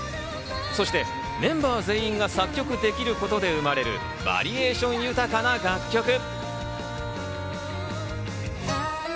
そしてメンバー全員が作曲できることで生まれるバリエーション豊かな楽曲。